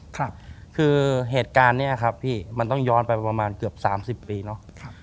ครับคือเหตุการณ์นี้ครับพี่มันต้องย้อนไปประมาณเกือบ๓๐ปีเนาะ